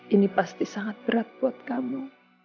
ini pasti sangat berat buat kamu